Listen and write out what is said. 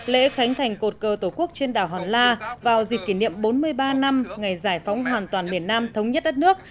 lễ khánh thành cột cờ tổ quốc trên đảo hòn la vào dịp kỷ niệm bốn mươi ba năm ngày giải phóng hoàn toàn miền nam thống nhất đất nước